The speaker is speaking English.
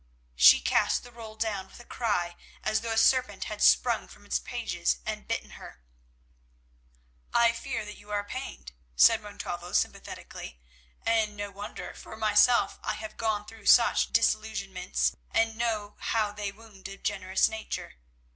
She cast the roll down with a cry as though a serpent had sprung from its pages and bitten her. "I fear that you are pained," said Montalvo sympathetically, "and no wonder, for myself I have gone through such disillusionments, and know how they wound a generous nature.